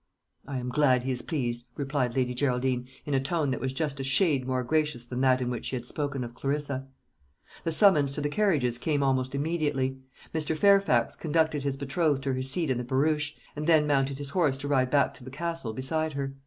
"I am glad he is pleased," replied Lady Geraldine, in a tone that was just a shade more gracious than that in which she had spoken of Clarissa. The summons to the carriages came almost immediately. Mr. Fairfax conducted his betrothed to her seat in the barouche, and then mounted his horse to ride back to the Castle beside her.